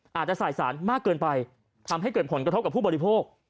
อาจจะสายสารมากเกินไปทำให้เกิดผลกระทบกับผู้บริโภค